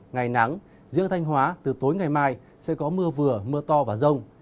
ngày nắng riêng thanh hóa từ tối ngày mai sẽ có mưa vừa mưa to và rông